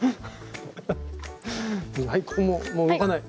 ここももう動かない。